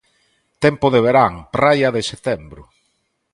Tempo de verán, praia de setembro.